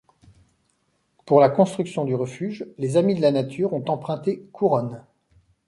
Pour la construction du refuge, les Amis de la Nature ont emprunté couronnes.